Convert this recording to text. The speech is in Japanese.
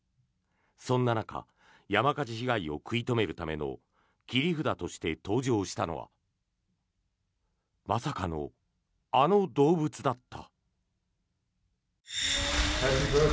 そんな中、山火事被害を食い止めるための切り札として登場したのはまさかのあの動物だった。